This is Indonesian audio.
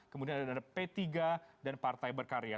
kemudian ada p tiga dan partai berkarya